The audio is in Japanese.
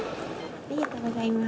ありがとうございます。